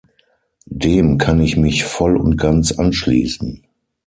Dem kann ich mich voll und ganz anschließen.